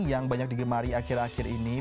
yang banyak digemari akhir akhir ini